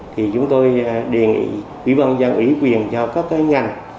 thì chúng tôi đề nghị quý văn giao ủy quyền cho các ngành